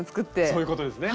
そういうことですね。